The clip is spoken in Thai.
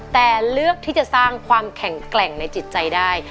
แต่เลือกที่จะสร้างความแข็งแกร่งในจิตใจได้